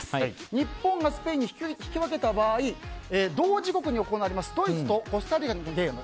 日本がスペインに引き分けた場合同時刻に行われるドイツとコスタリカのゲーム